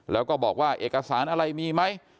แล้วก็บอกว่าเอกสารอะไรมีไหม